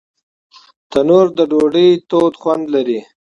تنور د ډوډۍ تود خوند لري